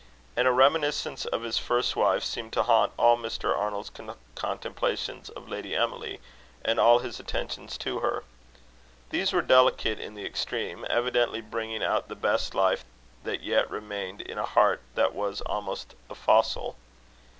And a reminiscence of his first wife seemed to haunt all Mr. Arnold's contemplations of Lady Emily, and all his attentions to her. These were delicate in the extreme, evidently bringing out the best life that yet remained in a heart that was almost a fossil.